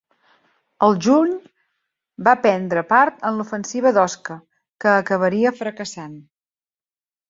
Al juny va prendre part en l'ofensiva d'Osca, que acabaria fracassant.